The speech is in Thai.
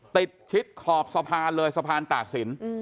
ติดชิดขอบสะพานเลยสะพานตากสิน